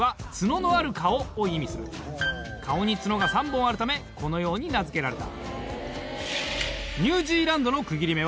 顔に角が３本あるためこのように名付けられた。